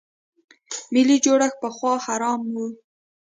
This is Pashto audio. ملي جوړښت پخوا حرام و.